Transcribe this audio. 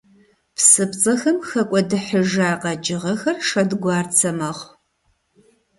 ПсыпцӀэхэм хэкӀуэдыхьыжа къэкӀыгъэхэр шэдгуарцэ мэхъу.